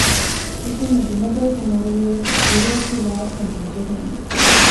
ކިތަންމެ ގިނަ ބަޔަކު މޮޅުވިޔަސް ގުރުއަތުލާކަށް ނުޖެހޭނެ